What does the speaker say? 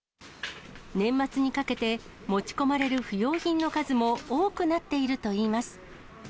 年末にかけて、持ち込まれる不用品の数も多くなっているといいます。